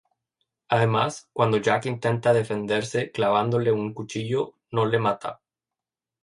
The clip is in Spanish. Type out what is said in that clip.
Además, cuando Jack intenta defenderse clavándole un cuchillo, no le mata.